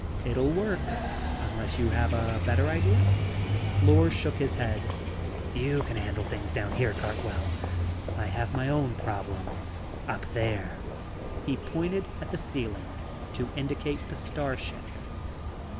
"It'll work, unless you have a better idea." Lors shook his head. "You can handle things down here, Cartwell. I have my own problems up there." He pointed at the ceiling to indicate the starship.